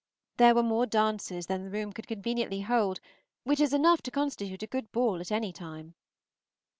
There were more dancers than the room could conveniently hold, which is enough to constitute a good ball at any time.